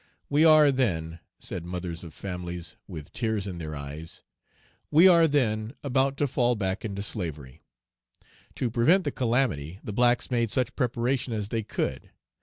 "We are then," said mothers of families, with tears in their eyes, "we are then about to fall back into slavery." To prevent the calamity, the blacks made such preparation as they could.